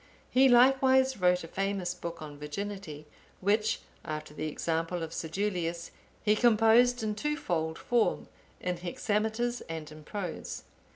He likewise wrote a famous book on Virginity,(876) which, after the example of Sedulius,(877) he composed in twofold form, in hexameters and in prose.